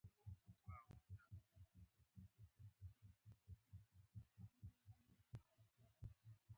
فېسبوک د ځوانانو د ښودلو یوه مهمه وسیله ده